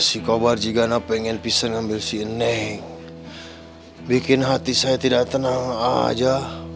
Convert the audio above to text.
si koba jigana pengen pisah ngambil si neng bikin hati saya tidak tenang aja